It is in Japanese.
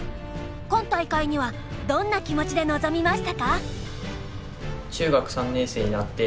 今大会にはどんな気持ちで臨みましたか？